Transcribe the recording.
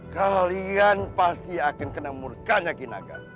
kalian pasti akan kena murka nyakin agar